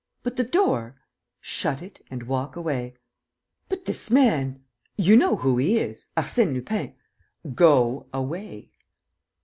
"But the door?" "Shut it and walk away." "But this man ... you know who he is. ... Arsène Lupin. ..." "Go away!"